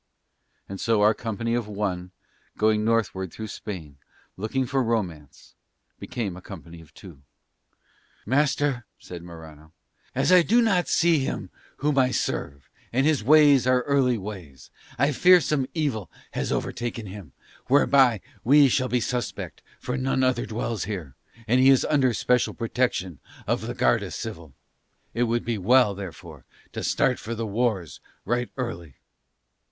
And so our company of one going northward through Spain looking for romance became a company of two. "Master," said Morano, "as I do not see him whom I serve, and his ways are early ways, I fear some evil has overtaken him, whereby we shall be suspect, for none other dwells here: and he is under special protection of the Garda Civil; it would be well therefore to start for the wars right early."